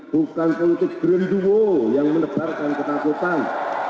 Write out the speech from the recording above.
bukan kutip gerlidowo yang menebarkan ketakutan